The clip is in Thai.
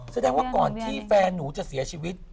แสดงว่าก่อนที่แฟนหนูจะเสียชีวิต